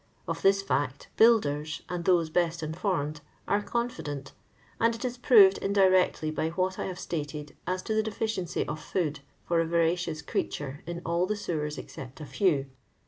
Of this fiict, builders, and those best informed, are confident, and it is proved indirectly by what I have stated as to tbe deficiency of food fur a voracious cre.aturc in all the sewers except a few.